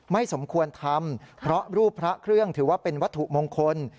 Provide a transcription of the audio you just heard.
สมควรทำเพราะรูปพระเครื่องถือว่าเป็นวัตถุมงคล